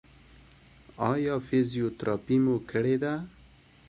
ایا فزیوتراپي مو کړې ده؟